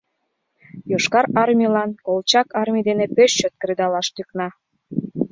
Йошкар Армийлан Колчак армий дене пеш чот кредалаш тӱкна.